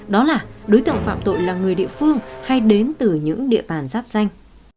đó là đối tượng phạm tội là người địa phương hay đến từ những địa bàn giáp danh